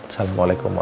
sampai besok pak